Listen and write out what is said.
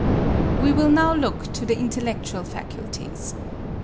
We will now look to the intellectual faculties.